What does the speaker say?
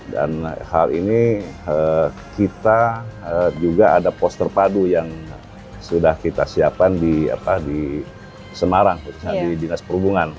dan hal ini kita juga ada pos terpadu yang sudah kita siapkan di semarang di binas perhubungan